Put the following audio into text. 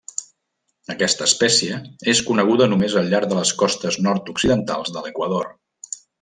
Aquesta espècie és coneguda només al llarg de les costes nord-occidentals de l'Equador.